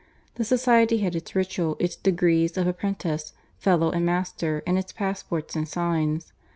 The society had its ritual, its degrees of apprentice, fellow, and master, and its passports and signs.